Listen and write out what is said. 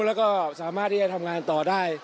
แล้วก็สามารถที่จะทำงานต่อได้